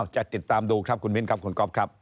จะติดตามดูครับคุณมิ้นครับคุณก๊อฟครับ